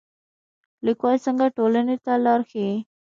لیکوال څنګه ټولنې ته لار ښيي؟